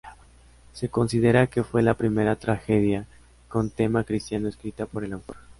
Se considera que fue la primera tragedia con tema cristiano escrita por el autor.